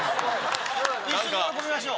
一緒に喜びましょう。